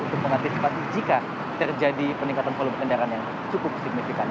untuk mengantisipasi jika terjadi peningkatan volume kendaraan yang cukup signifikan